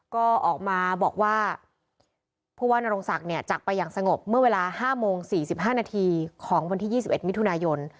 ก็ออกมาบอกว่าผู้ว่านรงศักดิ์เนี่ยจักรไปอย่างสงบเมื่อเวลาห้าโมงสี่สิบห้านาทีของวันที่ยี่สิบเอ็ดมิถุนายน